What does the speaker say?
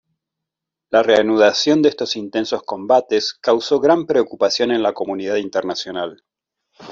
La reanudación de estos intensos combates causó gran preocupación en la comunidad internacional.